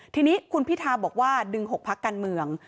ทีนี้คุณพิทาบอกว่าดึง๖พักการเมือง